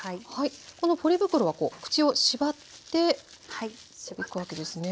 このポリ袋はこう口を縛っておくわけですね。